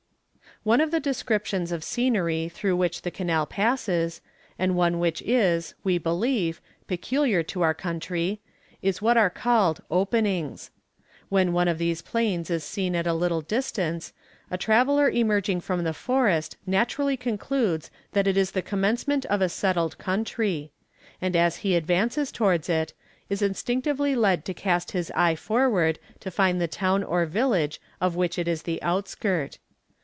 One of the descriptions of scenery through which the Canal passes, and one which is, we believe, peculiar to our country, is what are called openings. When one of these plains is seen at a little distance, a traveller emerging from the forest naturally concludes that it is the commencement of a settled country; and as he advances towards it, is instinctively led to cast his eye forward to find the town or village of which it is the outskirt.